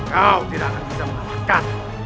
kau tidak akan bisa menamakan